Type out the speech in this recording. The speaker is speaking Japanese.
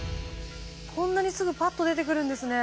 こんなにすぐパッと出てくるんですね。